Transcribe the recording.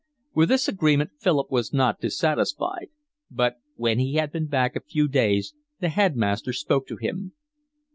With this agreement Philip was not dissatisfied. But when he had been back a few days the headmaster spoke to him.